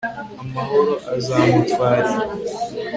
amahoro azamutwarira